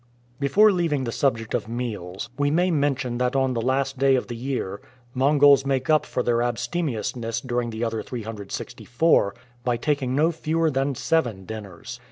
Before leaving the subject of meals, we may mention that on the last day of the year Mongols make up for their abstemiousness during the other 364 by taking no fewer than seven dinners.